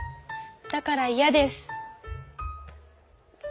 だからイヤです。